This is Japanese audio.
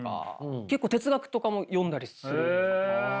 結構哲学とかも読んだりするんですよね。